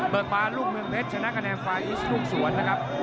เบิกปลาลูกเมืองเพชรชนะกระแนนไฟล์อิสลูกสวนนะครับ